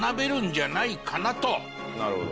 なるほど。